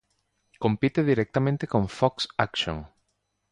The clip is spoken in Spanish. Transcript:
Compite directamente con Fox Action.